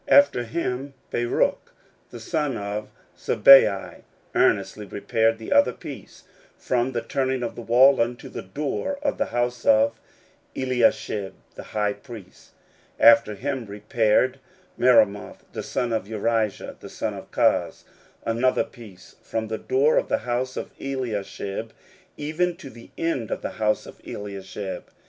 16:003:020 After him Baruch the son of Zabbai earnestly repaired the other piece, from the turning of the wall unto the door of the house of Eliashib the high priest. 16:003:021 After him repaired Meremoth the son of Urijah the son of Koz another piece, from the door of the house of Eliashib even to the end of the house of Eliashib.